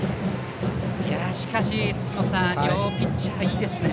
しかし、杉本さん両ピッチャーいいですね。